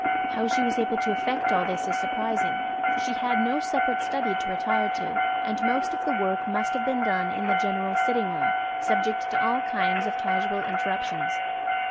How she was able to effect all this is surprising, for she had no separate study to retire to, and most of the work must have been done in the general sitting room, subject to all kinds of casual interruptions.